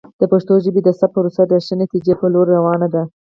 د پښتو ژبې د ثبت پروسه د ښې نتیجې په لور روانه ده.